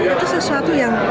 itu sesuatu yang